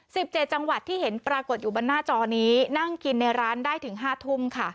สิบเจ็ดจังหวัดที่เห็นปรากฏอยู่บนหน้าจอนี้นั่งกินในร้านได้ถึงห้าทุ่มค่ะ